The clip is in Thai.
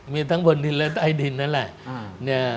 มีทั้งบนดินและใต้ดินนั่นแหละ